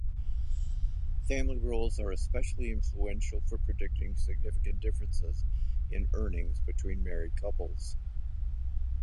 Family roles are especially influential for predicting significant differences in earnings between married couples.